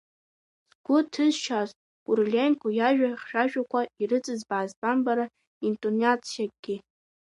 Сгәы ҭызшьааз Кириленко иажәа хьшәашәақәа ирыҵызбааит тәамбара интонациакгьы.